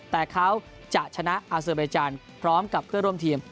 แต่เขาจะชนะอาซิบาลิจารณ์พร้อมกับเครื่องร่วมทีม